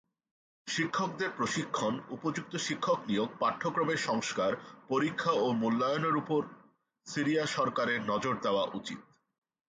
শিক্ষকদের প্রশিক্ষণ, উপযুক্ত শিক্ষক নিয়োগ, পাঠ্যক্রমের সংস্কার, পরীক্ষা ও মূল্যায়ন এর ওপর সিরিয়া সরকারের নজর দেওয়া উচিত।